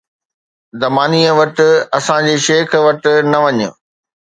”دمانيءَ وٽ اسان جي شيخ وٽ نه وڃ